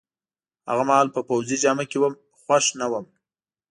هغه مهال په پوځي جامه کي وم، خوښ نه وم.